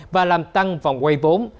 và làm tăng vòng quay vốn